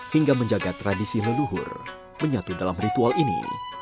hingga menjaga tradisi leluhur menyatu dalam ritual ini